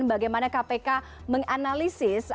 bagaimana kpk menganalisis